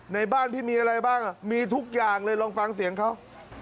ในบ้านพี่มีอะไรบ้างมีทุกอย่างเลยลองฟังเสียงเขา